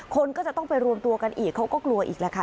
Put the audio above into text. คนก็จะต้องไปรวมตัวกันอีกเขาก็กลัวอีกแหละค่ะ